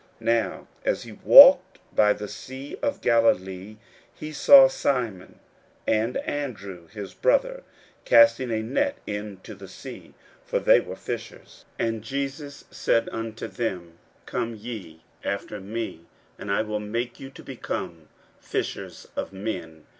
41:001:016 Now as he walked by the sea of Galilee, he saw Simon and Andrew his brother casting a net into the sea: for they were fishers. 41:001:017 And Jesus said unto them, Come ye after me, and I will make you to become fishers of men.